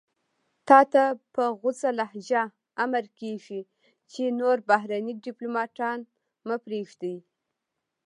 تاته په غوڅه لهجه امر کېږي چې نور بهرني دیپلوماتان مه پرېږدئ.